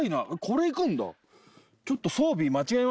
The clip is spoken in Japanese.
これ行くんだ。